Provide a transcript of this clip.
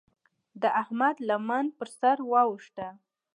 د احمد لمن پر سر واوښته.